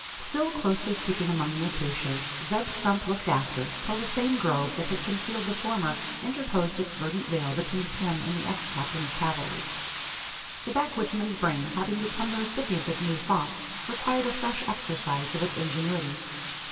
Still closely keeping among the acacias, Zeb Stump looked after, till the same grove, that had concealed the former, interposed its verdant veil between him and the ex captain of cavalry. The backwoodsman's brain having become the recipient of new thoughts, required a fresh exercise of its ingenuity.